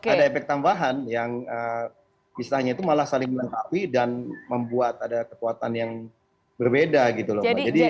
ada efek tambahan yang istilahnya itu malah saling melengkapi dan membuat ada kekuatan yang berbeda gitu loh